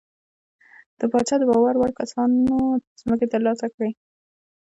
د پاچا د باور وړ کسانو ځمکې ترلاسه کړې.